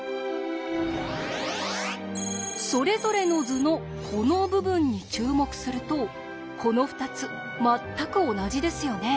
それぞれの図のこの部分に注目するとこの２つ全く同じですよね。